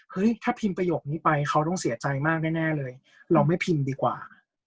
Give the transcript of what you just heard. เฮ้ยถ้าพิมพ์ประโยคนี้ไปเขาต้องเสียใจมากแน่เลยเราไม่พิมพ์ดีกว่า